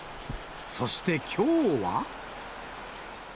そしてきょうは。